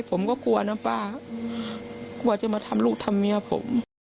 ผมก็กลัวนะป้ากลัวจะมาทำลูกทำเมียผม